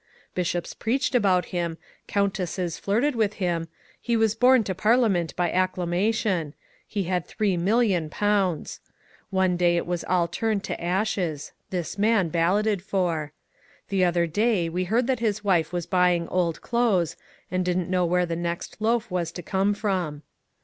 Bishops preached about him, countesses flirted with him, he was borne to Par 398 MONCURE DANIEL CONWAY liament by acclamation, — he had three million pounds. One day it was all turned to ashes, — this man balloted for. The other day we heard that his wife was buying old clothes, and did n't know where the next loaf was to come from.